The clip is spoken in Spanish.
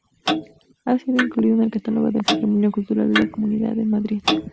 Ha sido incluido en el catálogo del patrimonio cultural de la Comunidad de Madrid.